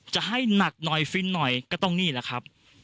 จะให้หนักหน่อยฟินหน่อยก็ต้องนี่แหละครับ